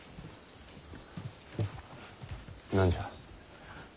何じゃ？